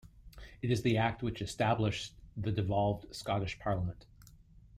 It is the Act which established the devolved Scottish Parliament.